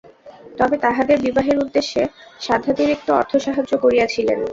তবে, তাহাদের বিবাহের উদ্দেশে সাধ্যাতিরিক্ত অর্থসাহায্য করিয়াছিলেন।